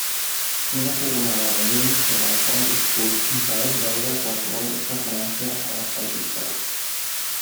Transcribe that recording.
Una fogonada de llum sobre el fons obscur impedeix veure qualsevol referència a l'espai pictòric.